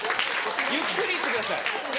ゆっくり行ってください。